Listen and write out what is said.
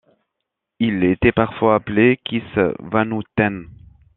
Il était parfois appelé Kees van Houten.